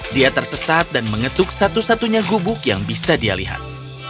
dia tersesat dan mengetuk satu satunya gubuk yang bisa dia lihat